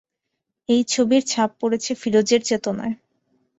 এই ছবির ছাপ পড়েছে ফিরোজের চেতনায়।